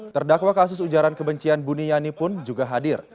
terdakwa kasus ujaran kebencian buniyani pun juga hadir